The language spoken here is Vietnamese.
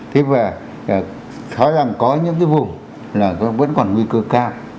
thế và có những vùng vẫn còn nguy cơ cao